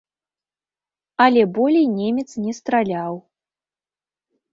Але болей немец не страляў.